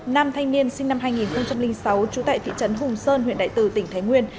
nam thanh niên sinh năm hai nghìn sáu trú tại thị trấn hùng sơn huyện đại từ tỉnh thái nguyên